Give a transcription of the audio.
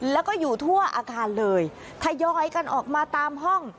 แล้วก็อยู่ทั่วอาคารเลยทยอยกันออกมาตามห้อง